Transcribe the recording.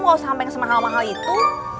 gak usah ambil yang semahal mahal itu